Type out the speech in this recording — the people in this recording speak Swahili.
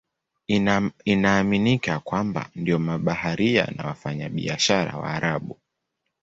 Inaaminika ya kwamba ndio mabaharia na wafanyabiashara Waarabu.